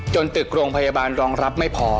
ตึกโรงพยาบาลรองรับไม่พอ